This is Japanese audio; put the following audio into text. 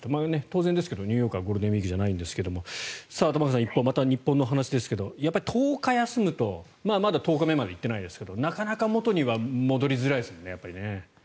当然ですけどニューヨークはゴールデンウィークじゃないですが玉川さん、一方また日本の話ですがやっぱり１０日休むとまだ１０日目まで行っていませんがなかなか元に戻りづらいですね。